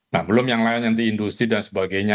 nah belum yang lain nanti industri dan sebagainya